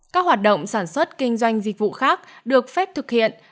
các hoạt động sản xuất kinh doanh dịch vụ khác được phép thực hiện